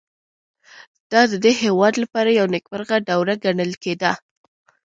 دا د دې هېواد لپاره یوه نېکمرغه دوره ګڼل کېده.